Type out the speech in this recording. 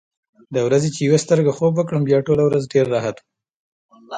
د ورځې چې یوه سترګه خوب وکړم، بیا ټوله ورځ ډېر راحت وم.